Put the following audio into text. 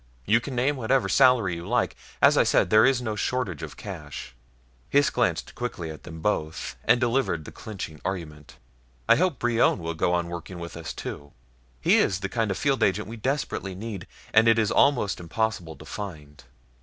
You can name whatever salary you like as I've said, there is no shortage of ready cash." Hys glanced quickly at them both and delivered the clinching argument. "I hope Brion will go on working with us too. He is the kind of field agent we desperately need, and it is almost impossible to find."